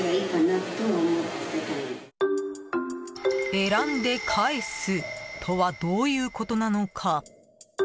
選んで返すとはどういうことなのか。